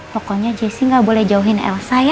pokoknya jessy gak boleh jauhin elsa ya